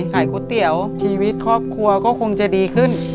ขายก๋วยเตี๋ยวชีวิตครอบครัวก็คงจะดีขึ้น